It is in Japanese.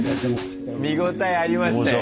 見応えありましたよ。